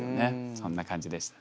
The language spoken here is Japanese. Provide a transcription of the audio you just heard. そんな感じでしたね。